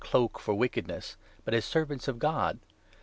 cloak for wickedness, but as Servants of God.